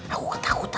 aku ketakutan ini